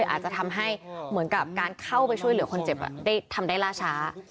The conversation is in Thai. อาจจะทำให้เหมือนกับการเข้าไปช่วยเหลือคนเจ็บได้ทำได้ล่าช้า